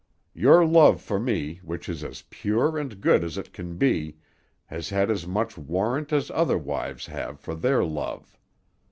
Your love for me, which is as pure and good as it can be, has had as much warrant as other wives have for their love.